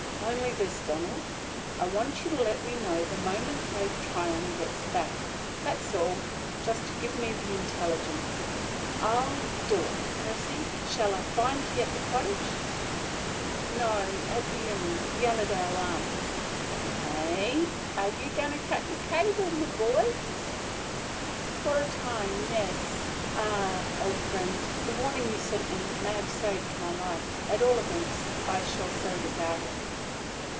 "Only this, Donald: I want you to let me know the moment Ralph Tryon gets back. That's all. Just give me the intelligence." "I'll do it, Percy. Shall I find ye at the cottage?" "No. At the inn the Allerdale Arms." "Eh! Are ye goin' to cut yer cable, my boy?" "For a time, yes. Ah, old friend, the warning you sent me may have saved my life. At all events, I shall so regard it."